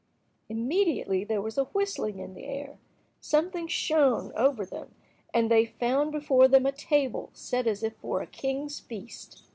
Immediately there was a whistling in the air; something shone over them, and they found before them a table set as if for a king's feast.